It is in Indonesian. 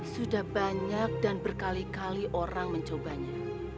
sudah banyak dan berkali kali orang mencobanya